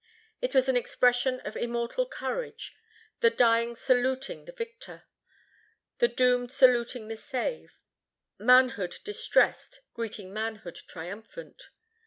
It was an expression of immortal courage; the dying saluting the victor; the doomed saluting the saved; manhood distressed greeting manhood triumphant.